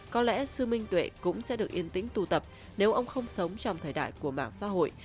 có lẽ sư minh tuệ cũng sẽ được yên tĩnh tụ tập nếu ông không sống trong thời đại của mạng xã hội